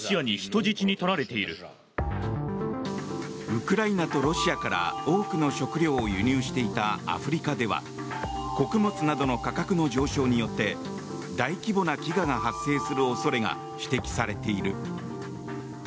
ウクライナとロシアから多くの食糧を輸入していたアフリカでは穀物などの価格の上昇によって大規模な飢餓が発生する恐れが指摘されている。